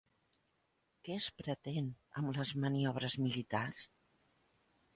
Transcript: Què es pretén amb les maniobres militars?